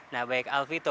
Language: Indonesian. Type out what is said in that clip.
nah baik alvito